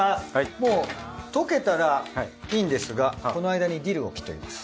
もう溶けたらいいんですがこの間にディルを切っておきます。